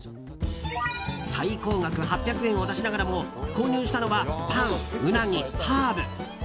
最高額８００円を出しながらも購入したのはパン、ウナギ、ハーブ。